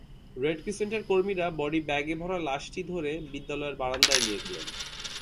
Red ক্রিসেন্টের কর্মীরা body ব্যাগে ভরা লাশটি ধরে বিদ্যালয়ের বারান্দায় নিয়ে গেলেন।